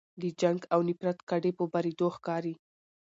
د جنګ او نفرت کډې په بارېدو ښکاري